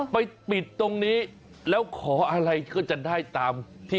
ไปปิดตรงนี้แล้วขออะไรก็จะได้ตามที่